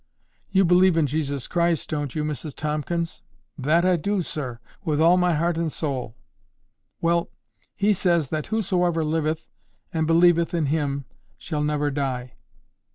"You believe in Jesus Christ, don't you, Mrs Tomkins?" "That I do, sir, with all my heart and soul." "Well, He says that whosoever liveth and believeth in Him shall never die."